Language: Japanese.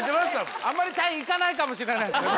あんまりタイ行かないかもしれないですね。